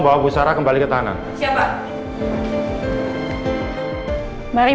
demi proses semua penyelidikan ini